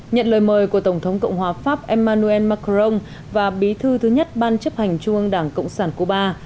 nhận lời mời của tổng thống cộng hòa pháp emmanuel macron và bí thư thứ nhất ban chấp hành trung ương đảng cộng sản cuba